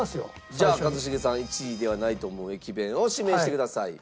じゃあ一茂さん１位ではないと思う駅弁を指名してください。